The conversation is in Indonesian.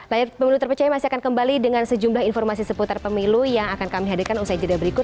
layar pemilu terpercaya masih akan kembali dengan sejumlah informasi seputar pemilu yang akan kami hadirkan usai jeda berikut